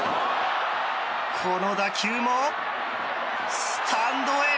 この打球もスタンドへ！